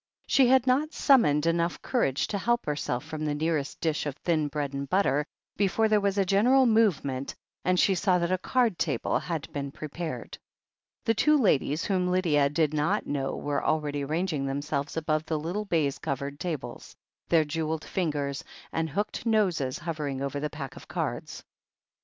She had not summoned enough courage to help herself from the nearest dish of thin bread and butter before there was a general movement, and she saw that a card table had been pfepared. The two ladies whom Lydia did not know were already arranging themselves above the little baize covered tables, their jewelled fingers and hooked noses hovering over the packs of cards.